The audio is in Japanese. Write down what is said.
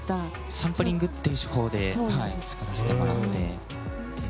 サンプリングっていう手法でしてもらって。